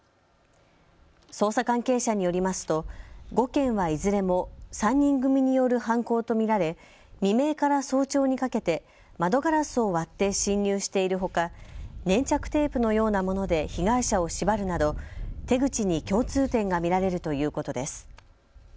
捜査関係者によりますと５件はいずれも３人組による犯行と見られ未明から早朝にかけて窓ガラスを割って侵入しているほか、粘着テープのようなもので被害者を縛るなど手口に共通点が見られるということです。